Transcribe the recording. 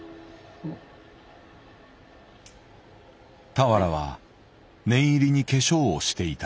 俵は念入りに化粧をしていた。